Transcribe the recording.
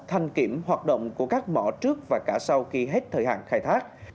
thanh kiểm hoạt động của các mỏ trước và cả sau khi hết thời hạn khai thác